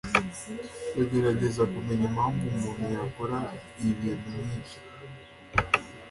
Ndagerageza kumenya impamvu umuntu yakora ibintu nkibyo.